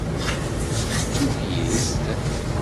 D tukyist.